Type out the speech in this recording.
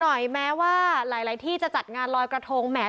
หน่อยแม้ว่าหลายที่จะจัดงานลอยกระทงแหม